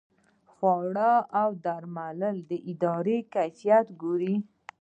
د خوړو او درملو اداره کیفیت ګوري